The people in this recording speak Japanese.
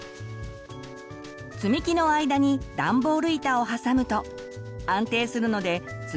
つみきの間にダンボール板を挟むと安定するのでつ